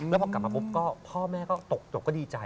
แล้วพอกลับมาปุ๊บก็พ่อแม่ก็ตกจบก็ดีใจ